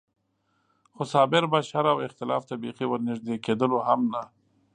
خو صابر به شر او اختلاف ته بېخي ور نږدې کېدلو هم نه.